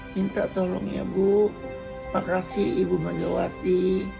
minta tolongnya bu makasih ibu megawati